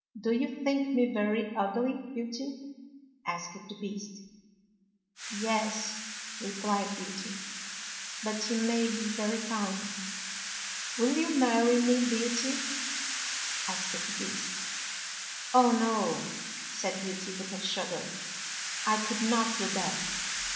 " Do you think me very ugly. Beauty? " asked the Beast. " Yes," replied Beauty. " But you may be very kind." " Will you marry me, Beauty? " asked the Beast. " Oh, no," said Beauty with a shudder. " I could not do that."